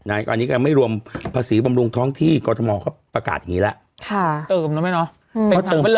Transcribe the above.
อันนี้ก็ไม่รวมภาษีบำรุงท้องที่กรทมเขาประกาศอย่างนี้แล้วแม่เนาะ